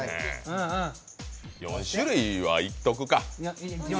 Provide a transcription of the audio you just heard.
４種類はいっとくか。